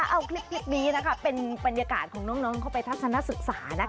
เอาคลิปนี้นะคะเป็นบรรยากาศของน้องเข้าไปทัศนศึกษานะคะ